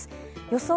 予想